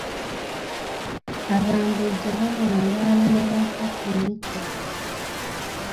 Abambejja baawangaala ne bafa ku Michwa.